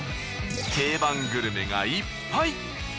定番グルメがいっぱい！